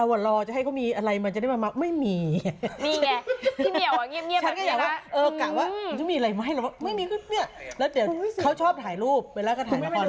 เวลาน้องเบลล่าอยู่กับพี่เวียเขาแอฟไงครับ